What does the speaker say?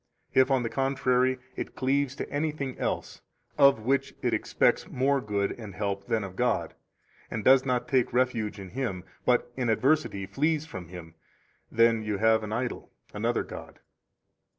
If, on the contrary, it cleaves to anything else, of which it expects more good and help than of God, and does not take refuge in Him, but in adversity flees from Him, then you have an idol, another god.